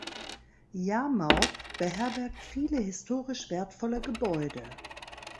Yarmouth beherbergt viele historisch wertvolle Gebäude.